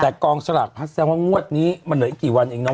แต่กองสลากพัดแสดงว่างวดนี้มันเหลืออีกกี่วันเองน้อง